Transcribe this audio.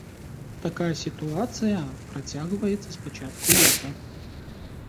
Такая сітуацыя працягваецца з пачатку лета.